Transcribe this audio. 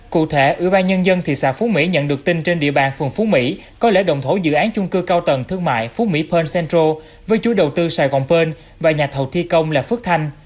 cụ thể ủy ban nhân dân thị xã phú mỹ nhận được tin trên địa bàn phường phú mỹ có lễ động thổ dự án chung cư cao tầng thương mại phú mỹ pearl central với chuối đầu tư sài gòn pearl và nhà thầu thi công là phước thanh